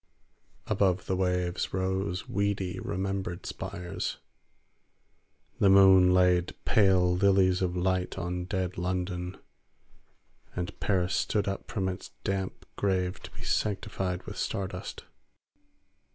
Above the waves rose weedy remembered spires. The moon laid pale lilies of light on dead London, and Paris stood up from its damp grave to be sanctified with star dust.